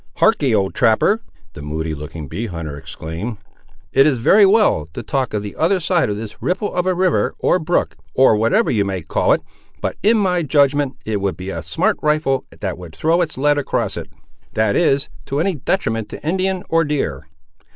"Harkee, old trapper," the moody looking bee hunter exclaimed; "it is very well to talk of the other side of this ripple of a river, or brook, or whatever you may call it, but in my judgment it would be a smart rifle that would throw its lead across it—that is, to any detriment to Indian, or deer."